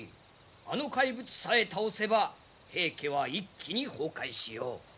あの怪物さえ倒せば平家は一気に崩壊しよう。